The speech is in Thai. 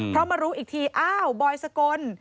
เพราะมารู้อีกทีอ้าวบอยสกล